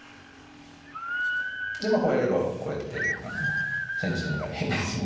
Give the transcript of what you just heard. でまあこうやればこうやって千日手狙いですね。